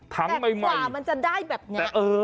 แต่ความจะได้แบบนี้